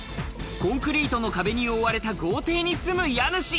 コンクリートの壁に覆われた豪邸に住む家主。